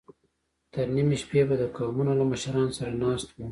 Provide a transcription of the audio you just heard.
تر نيمې شپې به د قومونو له مشرانو سره ناست و.